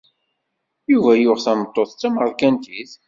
Yuba yuɣ tameṭṭut d tamerkantit.